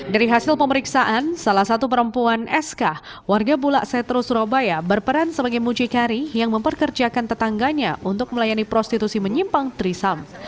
dari hasil pemeriksaan salah satu perempuan sk warga bulak setru surabaya berperan sebagai mucikari yang memperkerjakan tetangganya untuk melayani prostitusi menyimpang trisam